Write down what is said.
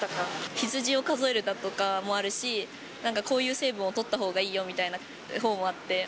羊を数えるだとかもあるし、なんかこういう成分をとったほうがいいよみたいな方法もあって。